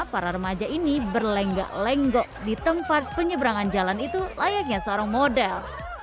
para remaja ini berlenggak lenggok di tempat penyeberangan jalan itu layaknya seorang model